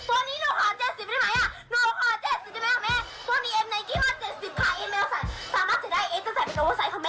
เอฟแม่วสามารถใส่ได้เอฟจะใส่เป็นโอโฟไซด์ค่ะแม่